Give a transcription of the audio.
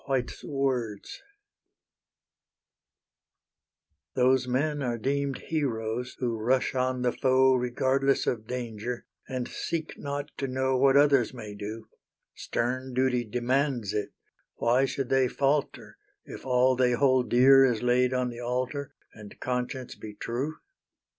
"IT WAS MY FAULT" Those men are deemed heroes who rush on the foe Regardless of danger, and seek not to know What others may do; Stern duty demands it why should they falter If all they hold dear is laid on the altar, And conscience be true?